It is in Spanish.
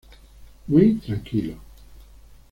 Muy tranquilo.